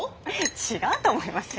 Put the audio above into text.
違うと思いますよ。